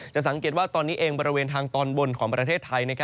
สังเกตว่าตอนนี้เองบริเวณทางตอนบนของประเทศไทย